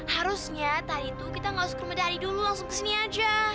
harusnya tadi tuh kita nggak usah ke rumah dari dulu langsung kesini aja